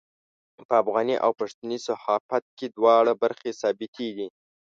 په افغاني او پښتني صحافت کې دواړه برخې ثابتې دي.